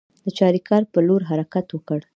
د چاریکار پر لور حرکت وکړ.